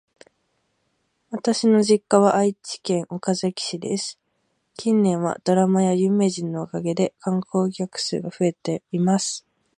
私の実家は愛知県岡崎市です。近年はドラマや有名人のおかげで観光客数が増えています。